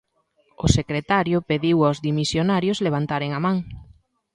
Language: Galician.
O secretario pediu aos dimisionarios levantaren a man.